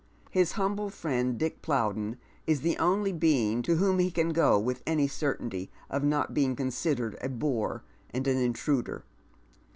His humble friend Dick Plowden is the only being to whom he can go with any certainty tif not being considered a bore and an intruder.